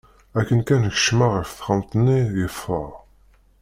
Akken kan kecmeɣ ɣer texxamt-nni, yeffeɣ.